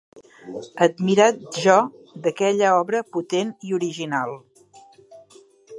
Admirat jo d'aquella obra potent i original